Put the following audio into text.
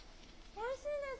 おいしいです。